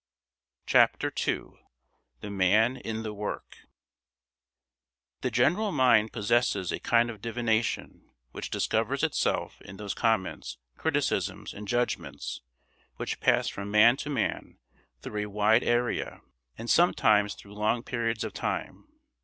Chapter II The Man in the Work The general mind possesses a kind of divination which discovers itself in those comments, criticisms, and judgments which pass from man to man through a wide area and sometimes through long periods of time.